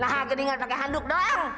nah aku ingat pakai handuk doang